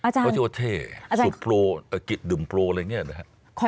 เขาชื่อว่าเท่สุดโปรตะกิจดื่มโปรอะไรอย่างนี้นะครับ